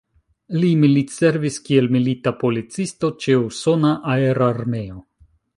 Li militservis kiel milita policisto ĉe usona aerarmeo.